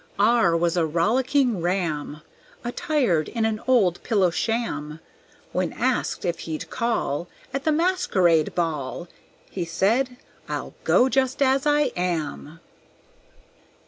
R was a rollicking Ram, Attired in an old pillow sham. When asked if he'd call At the masquerade ball, He said, "I'll go just as I am."